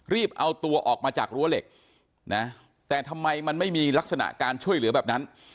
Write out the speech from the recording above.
เอาตัวออกมาจากรั้วเหล็กนะแต่ทำไมมันไม่มีลักษณะการช่วยเหลือแบบนั้น